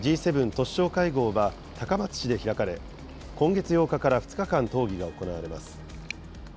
都市相会合は、高松市で開かれ、今月８日から２日間討議が行われます。